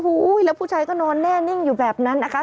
แล้วผู้ชายก็นอนแน่นิ่งอยู่แบบนั้นนะคะ